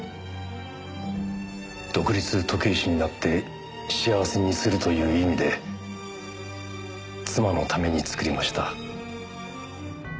独立時計師になって幸せにするという意味で妻のために作りました。